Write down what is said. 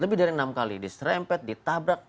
lebih dari enam kali diserempet ditabrak